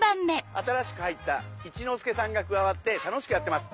新しく一之輔さんが加わって楽しくやってます。